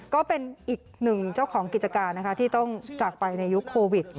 ก็เป็นอีกหนึ่งเจ้าของกิจการนะคะที่ต้องจากไปในยุคโควิด